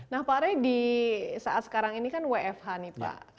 nah pak rey di saat sekarang ini kan wfh nih pak